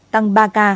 tăng ba ca